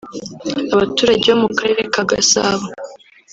Abaturage bo mu Karere ka Gasabo